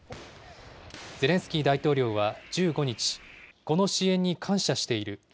ゼレンスキー大統領は１５日、この支援に感謝している。